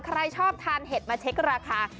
ใครชอบทานเห็ดมาเช็คราคา